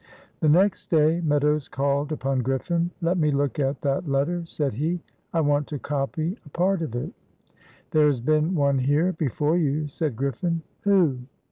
The next day Meadows called upon Griffin. "Let me look at that letter?" said he. "I want to copy a part of it." "There has been one here before you," said Griffin. "Who?"